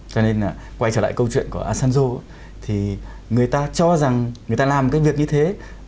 cho nên là quay trở lại câu chuyện của asanzo thì người ta cho rằng người ta làm cái việc như thế